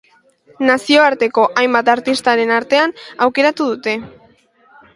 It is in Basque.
Nazioarteko hainbat artistaren artean aukeratu dute.